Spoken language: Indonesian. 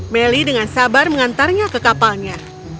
melly dengan sabar mengantarnya ke kapalnya